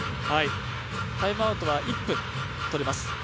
タイムアウトは１分取れます。